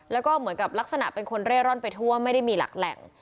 แล้วก็เหมือนกับลักษณะเป็นคนเร่ร่อนไปทั่วไม่ได้มีหลักแหล่ง